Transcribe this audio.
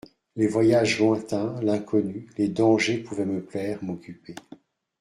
Les voyages lointains, l'inconnu, les dangers pouvaient me plaire, m'occuper.